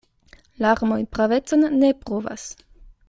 Larmoj pravecon ne pruvas.